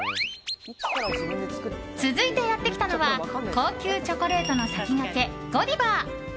続いてやってきたのは高級チョコレートの先駆けゴディバ。